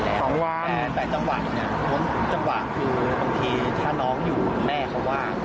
แต่จังหวะอย่างนี้จังหวะคือบางทีถ้าน้องอยู่แม่เขาว่าง